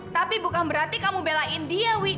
tapi bukan berarti kamu belain dia wi